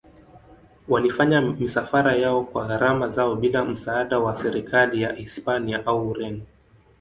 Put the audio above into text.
Walifanya misafara yao kwa gharama zao bila msaada wa serikali ya Hispania au Ureno.